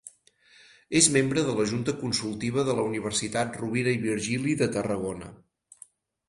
És membre de la Junta Consultiva de la Universitat Rovira i Virgili de Tarragona.